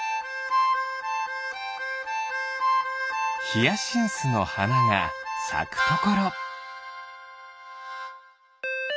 ヒヤシンスのはながさくところ。